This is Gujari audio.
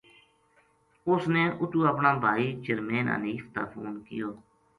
اس نے اُتو اپنا بھائی چرمین حنیف تا فون کیو